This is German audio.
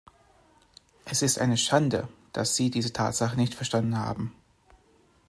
Es ist eine Schande, dass Sie diese Tatsache nicht verstanden haben.